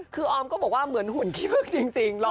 คือออมก็บอกว่าเหมือนหุ่นขี้พึ่งจริง